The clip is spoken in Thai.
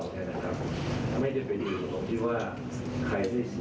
เมื่อกี้ถ้าในคิดว่าภาพภิกษาปรุงเนี่ย